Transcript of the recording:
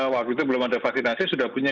waktu itu belum ada vaksinasi sudah punya